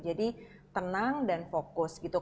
jadi tenang dan fokus gitu